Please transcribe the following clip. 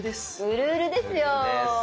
うるうるですよ。